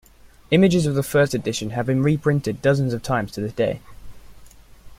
Images of the first edition have been reprinted dozens of times to this day.